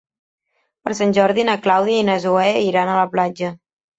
Per Sant Jordi na Clàudia i na Zoè iran a la platja.